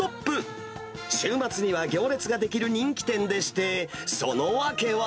週末には行列が出来る人気店でして、その訳は。